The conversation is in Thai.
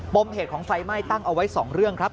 มเหตุของไฟไหม้ตั้งเอาไว้๒เรื่องครับ